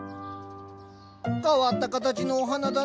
変わった形のお花だな。